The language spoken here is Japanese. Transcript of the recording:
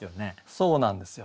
そうなんですよ。